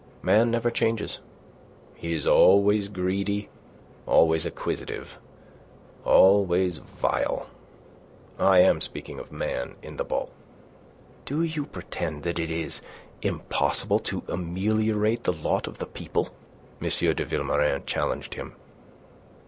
Man never changes. He is always greedy, always acquisitive, always vile. I am speaking of Man in the bulk." "Do you pretend that it is impossible to ameliorate the lot of the people?" M. de Vilmorin challenged him.